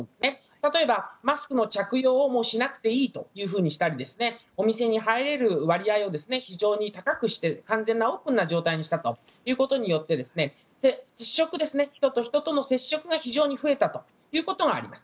例えば、マスクの着用をもうしなくていいというふうにしたりお店には入れる割合を非常に高くして完全なオープンな状態にしたということによって接触、人と人との接触が非常に増えたということがあります。